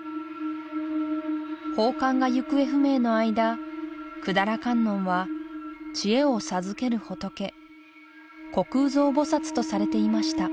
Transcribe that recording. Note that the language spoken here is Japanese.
宝冠が行方不明の間百済観音は智恵を授ける仏虚空蔵菩とされていました。